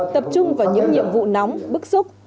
tập trung vào những nhiệm vụ nóng bức xúc